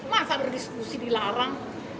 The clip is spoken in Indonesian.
masa berdiskusi dilarang